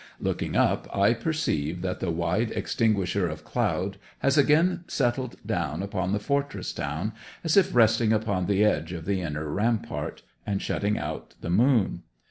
Looking up I perceive that the wide extinguisher of cloud has again settled down upon the fortress town, as if resting upon the edge of the inner rampart, and shutting out the moon.